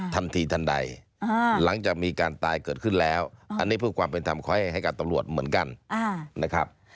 ทันทีทันใดหลังจากมีการตายเกิดขึ้นแล้วอันนี้เพื่อความเป็นธรรมขอให้การตำรวจเหมือนกันนะครับ